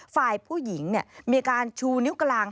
ฝ่ายผู้หญิงมีการชูนิ้วกลาง